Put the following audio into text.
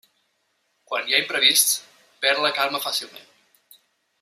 Quan hi ha imprevists, perd la calma fàcilment.